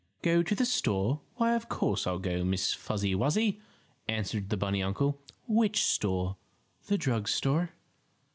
"Go to the store? Why of course I'll go, Miss Fuzzy Wuzzy," answered the bunny uncle. "Which store?" "The drug store."